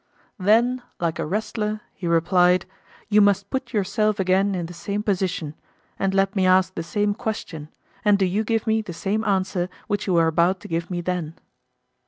Then, like a wrestler, he replied, you must put yourself again in the same position; and let me ask the same questions, and do you give me the same answer which you were about to give me then.